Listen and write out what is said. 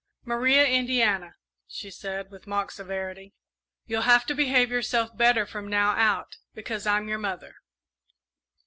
"Maria Indiana," she said, with mock severity, "you'll have to behave yourself better from now out, because I'm your mother."